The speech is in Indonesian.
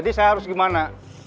jadi saya harus gimana